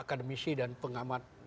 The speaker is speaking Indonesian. akademisi dan pengamat